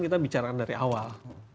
kita bicarkan dari awal